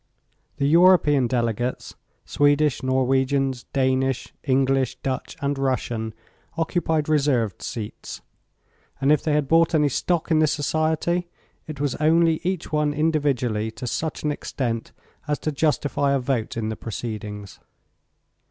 The European delegates Swedish, Norwegians, Danish, English, Dutch, and Russian occupied reserved seats, and if they had bought any stock in this society it was only each one individually to such an extent as to justify a vote in the proceedings.